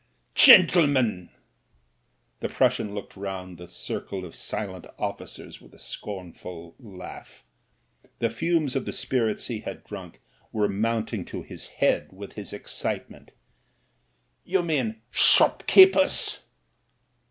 "Gentlemen!" The Prussian looked round the circle of silent officers with a scornful laugh; the fumes of the spirits he had drunk were motmting to his head with his excitement. "You mean — shopkeepers."